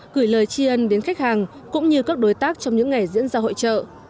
gửi lời tri ân đến khách hàng cũng như các đối tác trong những ngày diễn ra hội trợ